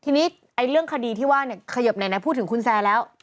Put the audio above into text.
ทีนี้ถ้าเรื่องคียิบแน่พูดถึงคุณแซงแล้ว